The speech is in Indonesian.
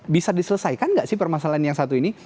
bisa diselesaikan nggak sih permasalahan yang satu ini